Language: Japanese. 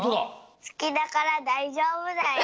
すきだからだいじょうぶだよ。